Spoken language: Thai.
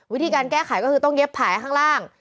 วิธีการแก้ไขก็คือต้องเย็บแผลข้างล่าง